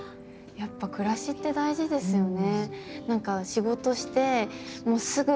やっぱ暮らしって大事ですよね。